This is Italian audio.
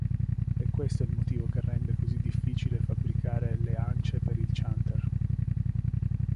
È questo il motivo che rende così difficile fabbricare le ance per il chanter.